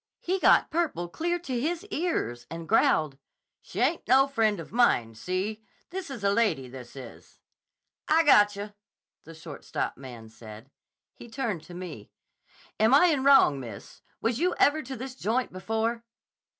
He got purple clear to his ears, and growled, 'She ain't no friend of mine. See? This is a lady, this is.' 'I gotcha,' the shortstop man said. He turned to me. 'Am I in wrong, miss? Was you ever to this joint before?